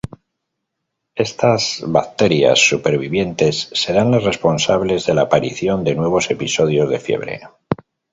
Estas bacterias supervivientes serán las responsables de la aparición de nuevos episodios de fiebre.